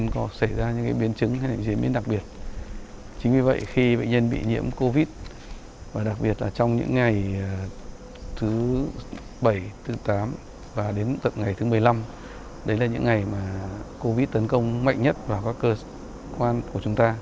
covid một mươi chín tấn công mạnh nhất vào các cơ quan của chúng ta